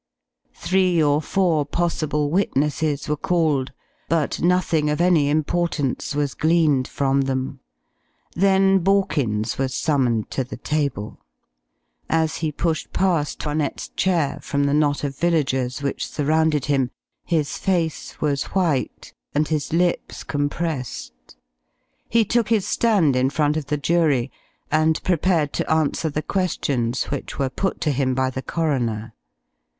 Three or four possible witnesses were called, but nothing of any importance was gleaned from them; then Borkins was summoned to the table. As he pushed past 'Toinette's chair from the knot of villagers which surrounded him, his face was white, and his lips compressed. He took his stand in front of the jury and prepared to answer the questions which were put to him by the coroner.